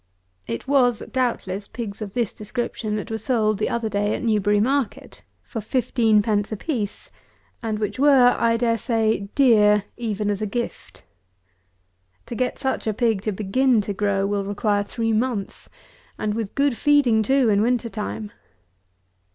It was, doubtless, pigs of this description that were sold the other day at Newbury market, for fifteen pence a piece, and which were, I dare say, dear even as a gift. To get such a pig to begin to grow will require three months, and with good feeding too in winter time.